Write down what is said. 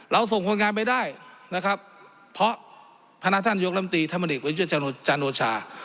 เราส่งคนงานไปได้นะครับเพราะพนักท่านยกลำตีธรรมดิกวิจัยจานโนชา